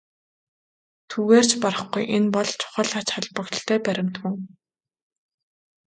Түүгээр ч барахгүй энэ бол чухал ач холбогдолтой баримт мөн.